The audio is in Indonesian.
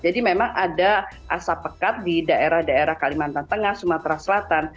jadi memang ada asap pekat di daerah daerah kalimantan tengah sumatera selatan